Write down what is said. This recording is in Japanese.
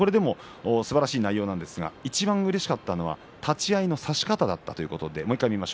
すばらしい内容ですがいちばんうれしかったのは立ち合いの差し方だったということを言っています。